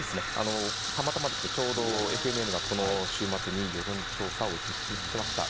たまたまちょうどＦＮＮがこの週末に世論調査を実施しました。